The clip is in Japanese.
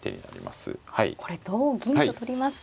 これ同銀と取りますと。